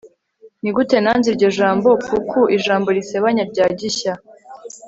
nigute nanze iryo jambo, puku - ijambo risebanya rya 'gishya